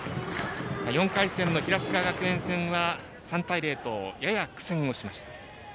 ４回戦の平塚学園戦は３対０とやや苦戦をしました。